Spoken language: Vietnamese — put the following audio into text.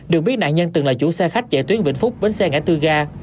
được biết nạn nhân từng là chủ xe khách chạy tuyến vĩnh phúc bến xe ngã tư ga